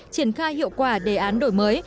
triển khai hiệu quả đề án đổi mới